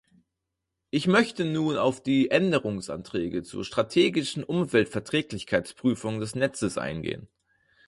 Ich möchte nun auf die Änderungsanträge zur strategischen Umweltverträglichkeitsprüfung des Netzes eingehen.